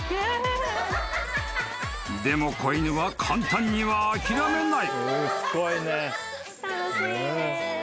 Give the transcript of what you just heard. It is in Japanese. ［でも子犬は簡単には諦めない］